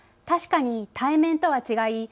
確かに対面とは違い